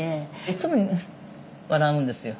いつも笑うんですよ。